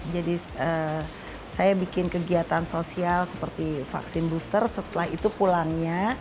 jadi saya bikin kegiatan sosial seperti vaksin booster setelah itu pulangnya